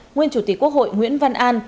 nguyên chủ tịch quốc hội nguyễn văn an